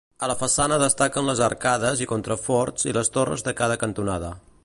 A la façana destaquen les arcades i contraforts i les torres de cada cantonada.